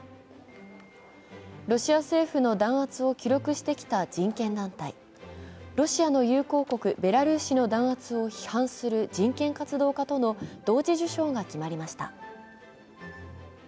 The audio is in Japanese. ロシア政府の弾圧を記録してきた人権団体、ロシアの友好国、ベラルーシの弾圧を批判する人権活動家との同時受賞が決まりました。